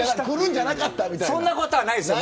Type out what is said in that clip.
そんなことはないですよ。